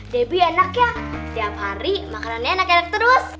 debbie enak ya tiap hari makanannya enak enak terus